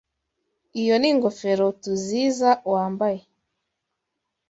Iyo ni ingofero TUZIza wambaye.